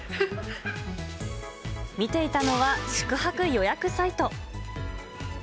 見ていたのは宿泊予約サイト。